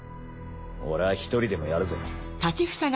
俺は１人でもやるぜ。